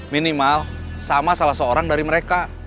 minimal sama salah seorang dari mereka